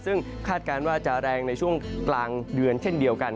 ซึ่งคาดการณ์ว่าจะแรงในช่วงกลางเดือนเช่นเดียวกัน